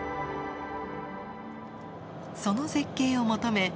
その絶景を求め